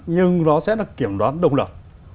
nhưng nó sẽ là kiểm toán đồng lập